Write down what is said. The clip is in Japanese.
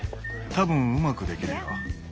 多分うまくできるよ。